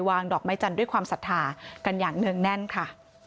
ดอกไม้จันทร์ด้วยความศรัทธากันอย่างเนื่องแน่นค่ะ